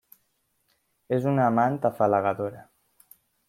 És una amant afalagadora.